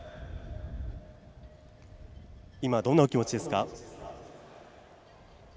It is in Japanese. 今、どんなお気持ちですか？